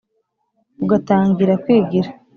ugatangira kwigira